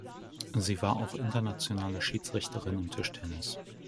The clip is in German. Sie war auch internationale Schiedsrichterin im Tischtennis.